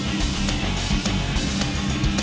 yan lu kenapa yan